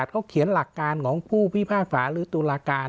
เขาเขียนหลักการของผู้พิพากษาหรือตุลาการ